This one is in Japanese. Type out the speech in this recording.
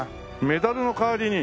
メダルの代わりに。